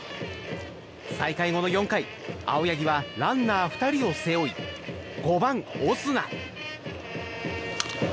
再開後の４回青柳はランナー２人を背負い５番、オスナ。